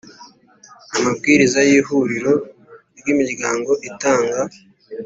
Amabwiriza y ihuriro ry imiryango itanga